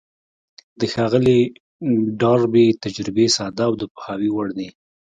د ښاغلي ډاربي تجربې ساده او د پوهاوي وړ دي.